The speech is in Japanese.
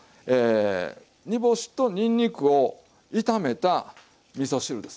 煮干しとにんにくを炒めたみそ汁です。